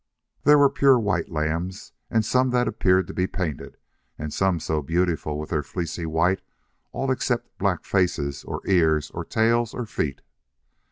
There were pure white lambs, and some that appeared to be painted, and some so beautiful with their fleecy white all except black faces or ears or tails or feet.